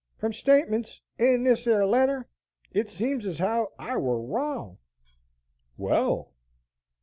"From statements in this yer letter it seems as how I war wrong." "Well!"